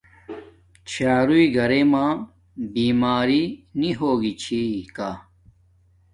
چھاروݵ گھرے ما بیماری نی ہوگی چھی کا